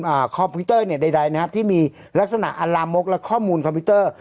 คอมพิวเตอร์เนี้ยใดใดนะครับที่มีลักษณะอัลลามกและข้อมูลคอมพิวเตอร์